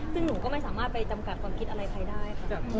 ซึ่งหนูก็ไม่สามารถไปจำกัดความคิดอะไรใครได้ค่ะ